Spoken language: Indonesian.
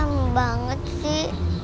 aduh kalah banget sih